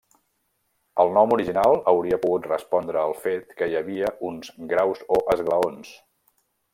El nom original hauria pogut respondre al fet que hi havia uns graus o esglaons.